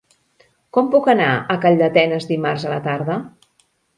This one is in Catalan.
Com puc anar a Calldetenes dimarts a la tarda?